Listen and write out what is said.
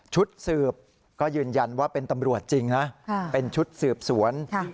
ชุดสืบก็ยืนยันว่าเป็นตำรวจจริงนะเป็นชุดสืบสวน